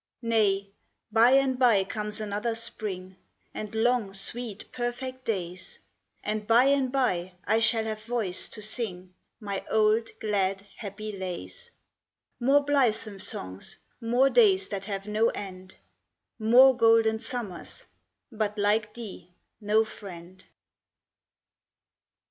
Nay, by and by comes another Spring; And long, sweet, perfect days. And by and by I shall have voice to sing My old glad, happy lays. More blithesome songs, more days that have no end; More golden summers; but like thee no friend.